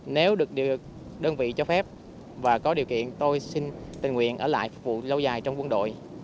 nếu được đơn vị cho phép và có điều kiện tôi xin tình nguyện ở lại phục vụ lâu dài trong quân đội